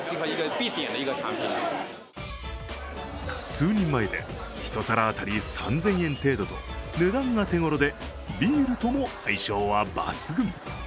数人前で一皿当たり３０００円程度と値段が手頃で、ビールとも相性は抜群。